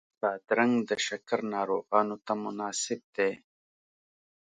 بادرنګ د شکر ناروغانو ته مناسب دی.